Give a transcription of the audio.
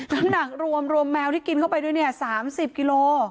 น้ำหนักรวมแมวที่กินเข้าไปด้วยเนี่ย๓๐กิโล